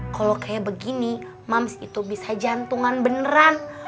kalo kayak begini mams itu bisa jantungan beneran